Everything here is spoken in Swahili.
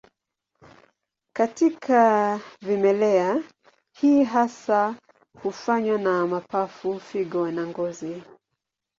Katika vimelea, hii hasa hufanywa na mapafu, figo na ngozi.